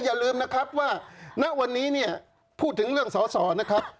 อย่าลืมนะครับว่าณวันนี้เนี่ยพูดถึงเรื่องสอสอนะครับ